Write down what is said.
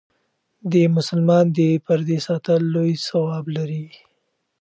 د مسلمان د پردې ساتل لوی ثواب لري.